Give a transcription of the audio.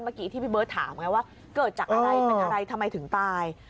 เมื่อกี้ที่พี่เบิร์ตถามไงว่าเกิดจากอะไรเป็นอะไรทำไมถึงตาย